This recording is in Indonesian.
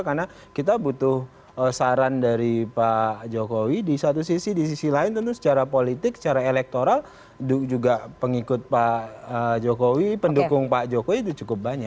karena kita butuh saran dari pak jokowi di satu sisi di sisi lain tentu secara politik secara elektoral juga pengikut pak jokowi pendukung pak jokowi itu cukup banyak